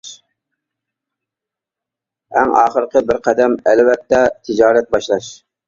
ئەڭ ئاخىرقى بىر قەدەم ئەلۋەتتە تىجارەت باشلاش.